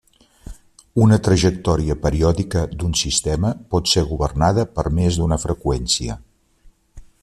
Una trajectòria periòdica d'un sistema pot ser governada per més d'una freqüència.